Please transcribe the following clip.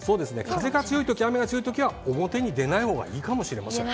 風が強いとき、雨が強いとき、表に出ないほうがいいかもしれません。